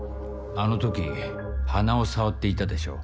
あの時鼻を触っていたでしょ。